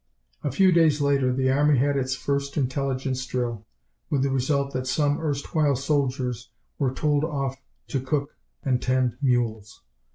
A few days later the army had its first intelligence drill, with the result that some erstwhile soldiers were told off to cook and tend mules.